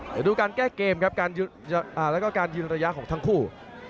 เดี๋ยวดูการแก้เกมครับแล้วก็การยืนระยะของทั้งคู่